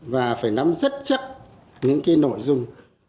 và phải nắm rất chắc những cái nội dung